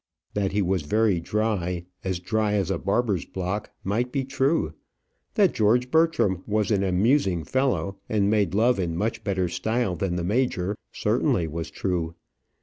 That he was very dry, as dry as a barber's block, might be true. That George Bertram was an amusing fellow, and made love in much better style than the major, certainly was true.